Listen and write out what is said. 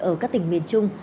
ở các tỉnh miền trung